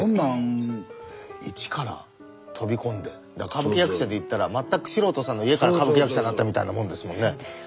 歌舞伎役者で言ったら全く素人さんの家から歌舞伎役者になったみたいなもんですもんね。